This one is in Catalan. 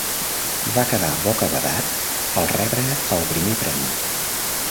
Va quedar bocabadat el rebre el primer premi.